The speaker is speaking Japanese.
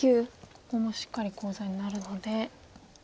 ここもしっかりコウ材になるので。